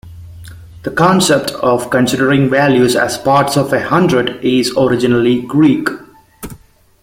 The concept of considering values as parts of a hundred is originally Greek.